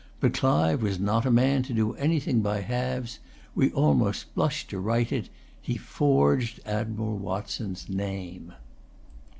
But Clive was not a man to do anything by halves. We almost blush to write it. He forged Admiral Watson's name.